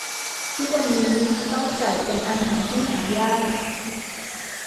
ทุกวันนี้น่องไก่เป็นอาหารที่หายาก